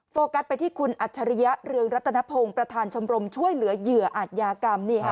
โฟกัสไปที่คุณอาชริยเรืองรัฐนพงศ์ประธานชมรมช่วยเหลือเหยื่ออาตญากรรมเนี่ยค่ะ